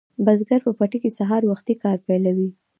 بزګر په پټي کې سهار وختي کار پیلوي.